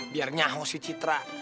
biar nyahong si citra